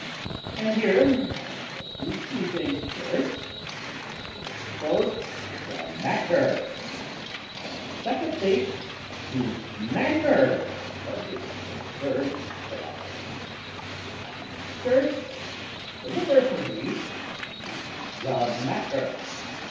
And here I shall do two things: First, I shall expose the matter; and, secondly, the manner of this absurd philosophy. And first, for the first of these, namely, the matter.